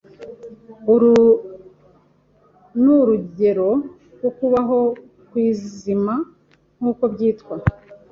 Uru nurugero rwo kubaho kwizima, nkuko byitwa.